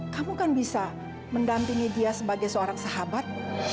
kamu kan bisa mendampingi dia sebagai seorang sahabat